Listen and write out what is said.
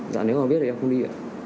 giả nếu không biết thì em không đi